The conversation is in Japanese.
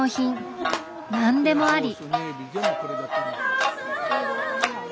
何でもあり。